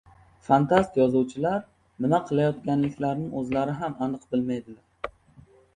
Fantast-yozuvchilar nima qilayotganliklarini o‘zlari ham aniq bilmaydilar.